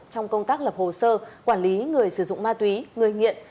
trong công tác lập hồ sơ quản lý người sử dụng ma túy người nghiện